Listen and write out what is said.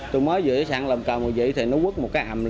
tui mới dựa sẵn làm cầm một dự thì nó quất một cái hầm